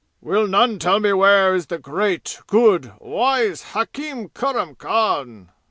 "Will none tell me where is the great, good, wise hakim Kurram Khan?"